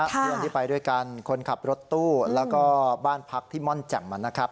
คนที่ไปด้วยกันคนขับรถตู้แล้วก็บ้านพักที่ม่อนแจ่มนะครับ